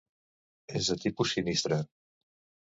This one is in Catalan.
És de tipus sinistre.